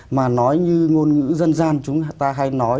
mà nói như ngôn ngữ dân gian chúng ta hay nói